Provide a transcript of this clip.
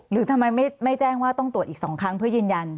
หรือทำไมไม่แจ้งว่าต้องตรวจอีก๒ครั้งเพื่อยืนยัน